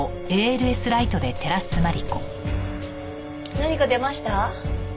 何か出ました？